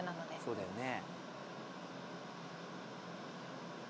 そうだよね。